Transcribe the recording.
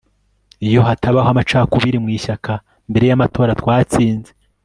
Iyo hatabaho amacakubiri mu ishyaka mbere yamatora twatsinze